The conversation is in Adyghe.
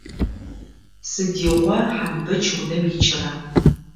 Сыдигъо Хъанбэч унэм икӏыра?